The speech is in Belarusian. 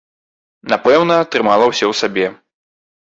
Напэўна, трымала ўсё ў сабе.